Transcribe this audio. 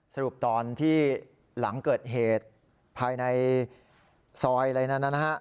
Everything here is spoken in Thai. สรุปตอนที่หลังเกิดเหตุภายในซอยอะไรนั้นนะฮะ